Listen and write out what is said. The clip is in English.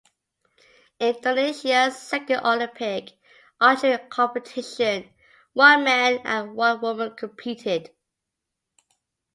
In Indonesia's second Olympic archery competition, one man and one woman competed.